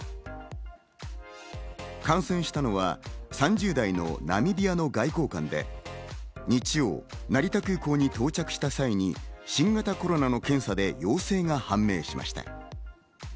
感染したのは３０代のナミビアの外交官で日曜、成田空港に到着した際に新型コロナの検査で陽性が判明しました。